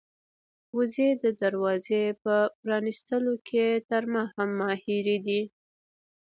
وزې د دروازې په پرانيستلو کې تر ما هم ماهرې دي.